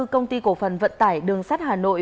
công ty cổ phần vận tải đường sắt hà nội